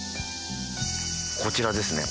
こちらですね